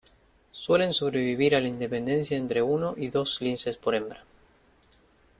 Suelen sobrevivir a la independencia entre uno y dos linces por hembra.